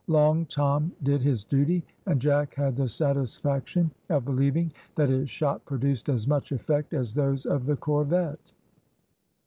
Long Tom did his duty, and Jack had the satisfaction of believing that his shot produced as much effect as those of the corvette.